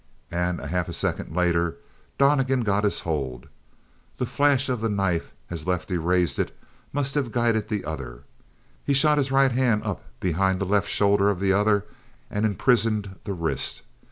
And half a second later Donnegan got his hold. The flash of the knife as Lefty raised it must have guided the other. He shot his right hand up behind the left shoulder of the other and imprisoned the wrist.